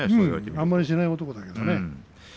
あまりしない男だけどね。